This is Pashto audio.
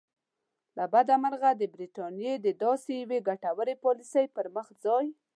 له بده مرغه برټانیې د داسې یوې ګټورې پالیسۍ پر ځای.